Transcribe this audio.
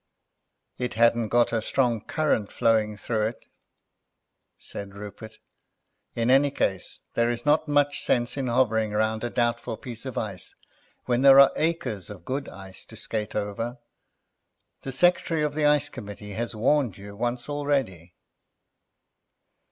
"It hadn't got a strong current flowing through it," said Rupert; "in any case, there is not much sense in hovering round a doubtful piece of ice when there are acres of good ice to skate over. The secretary of the ice committee has warned you once already."